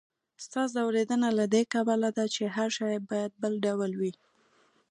ستا ځوریدنه له دې کبله ده، چې هر شی باید بل ډول وي.